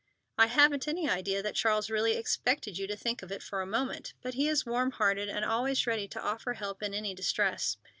I haven't an idea that Charles really expected you to think of it for a moment, but he is warm hearted and always ready to offer help in any distress.